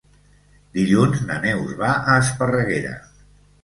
Dilluns na Neus va a Esparreguera.